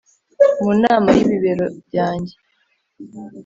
Mu nama yibibero byanjye